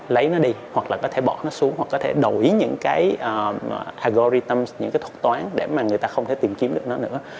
lấy nó đi hoặc là có thể bỏ nó xuống hoặc có thể đổi những cái hageretone những cái thuật toán để mà người ta không thể tìm kiếm được nó nữa